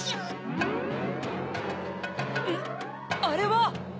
あれは！